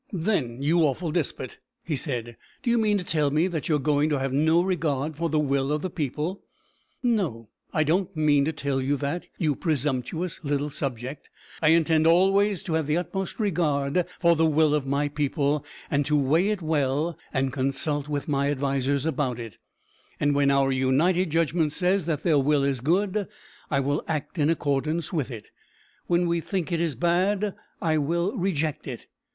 "Then, you awful despot," he said, "do you mean to tell me that you are going to have no regard for the will of the people?" "No, I don't mean to tell you that, you presumptuous little subject. I intend always to have the utmost regard for the will of my people, and to weigh it well, and consult with my advisers about it; and when our united judgment says that their will is good, I will act in accordance with it; when we think it bad, I will reject it.